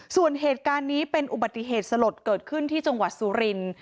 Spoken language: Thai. ส่วนเหตุการณ์นี้เป็นอุบัติเหตุสลดเกิดขึ้นที่จังหวัดสุรินทร์